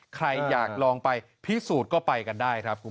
ใครอยากลองไปพิสูจน์ก็ไปกันได้ครับคุณผู้ชม